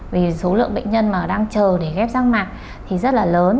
vì số lượng bệnh nhân mà đang chờ để ghép rác mạc thì rất là lớn